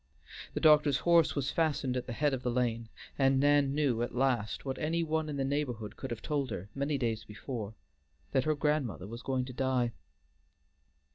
The doctor's horse was fastened at the head of the lane, and Nan knew at last, what any one in the neighborhood could have told her many days before, that her grandmother was going to die.